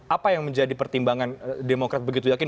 apa yang menjadi pertimbangan demokrat begitu yakin